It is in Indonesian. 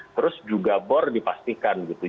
terus juga bor dipastikan gitu